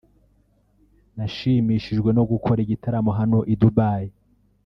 “nashimishijwe no gukora igitaramo hano i Dubai